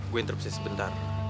gue interpsi sebentar